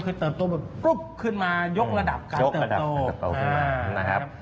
คือเติบโตแบบปุ๊บขึ้นมายกระดับการเติบโตนะครับ